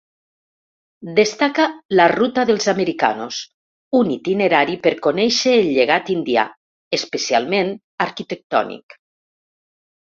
Destaca la ‘ruta dels americanos’, un itinerari per conèixer el llegat indià, especialment arquitectònic.